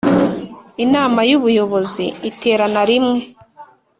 Inama y ubuyobozi iterana rimwe